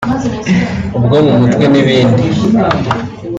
ubwo mu mutwe n’ibindi